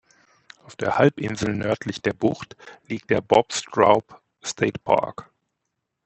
Auf der Halbinsel nördlich der Bucht liegt der Bob Straub State Park.